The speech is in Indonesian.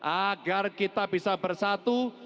agar kita bisa bersatu